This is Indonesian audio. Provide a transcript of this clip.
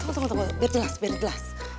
oh tunggu biar jelas biar jelas